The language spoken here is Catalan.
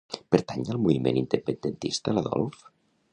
Pertany al moviment independentista l'Adolf?